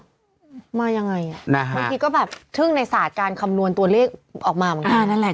๑๔หรอมายังไงนะฮะก็แบบทึ่งในศาสตร์การคำนวณตัวเลขออกมามานั่นแหละ